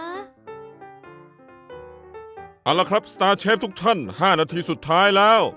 เอาละครับสตาร์เชฟทุกท่าน๕นาทีสุดท้ายแล้ว